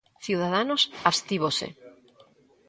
Ciudadanos abstívose.